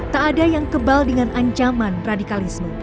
tak ada yang kebal dengan ancaman radikalisme